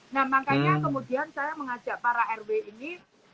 nah makanya kemudian saya mengajak para rw ini